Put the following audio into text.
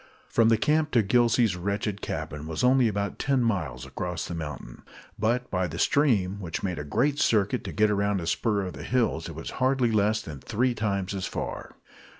From the camp to Gillsey's wretched cabin was only about ten miles across the mountain, but by the stream, which made a great circuit to get around a spur of the hills, it was hardly less than three times as far.